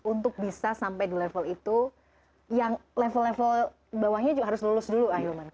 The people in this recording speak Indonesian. untuk bisa sampai di level itu yang level level bawahnya juga harus lulus dulu ahilman